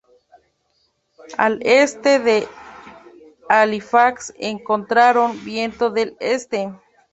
Al este de Halifax encontraron viento del este.